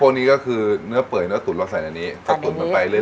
นี้ก็คือเนื้อเปื่อยเนื้อตุ๋นเราใส่ในนี้พอตุ๋นไปเรื่อย